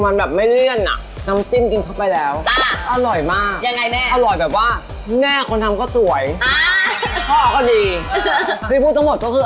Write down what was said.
แต่จริงไม่ใช่เปรี้ยวแล้วรู้สึกว่ามีหวานประแรม